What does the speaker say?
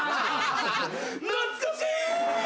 懐かしい！